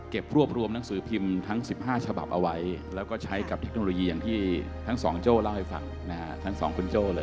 เก็บรวบรวมหนังสือพิมพ์ทั้งสิบห้าฉบับเอาไว้แล้วก็ใช้กับเทคโนโลยีอย่างที่ทั้งสองโจ้เล่าให้ฟังนะฮะ